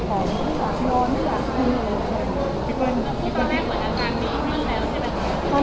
แล้วที่ตอนแรกเหมือนการดีขึ้นแล้วใช่ไหม